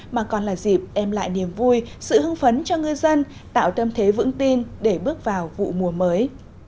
mà còn là dịp đem lại niềm vui sự hưng phấn cho ngư dân tạo tâm thế vững tin để bước vào vụ mùa mới